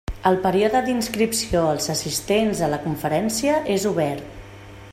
El període d'inscripció als assistents a la conferència és obert.